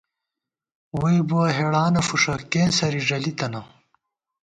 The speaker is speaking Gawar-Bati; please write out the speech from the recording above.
ووئی بُوَہ ہېڑانہ فُݭہ، کېنسَرے ݫَلِی تَنہ